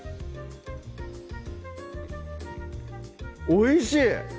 おいしい！